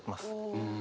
うん。